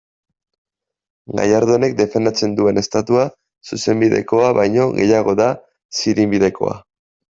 Gallardonek defendatzen duen Estatua, zuzenbidekoa baino, gehiago da zirinbidekoa.